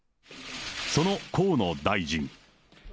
その河野大臣。